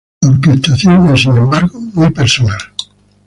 La orquestación es, sin embargo, muy personal.